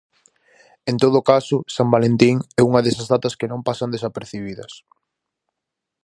En todo caso, "San Valentín" é unha desas datas que non pasan desapercibidas.